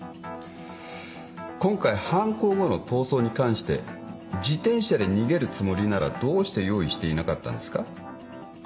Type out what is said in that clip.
今回犯行後の逃走に関して自転車で逃げるつもりならどうして用意していなかったんですか。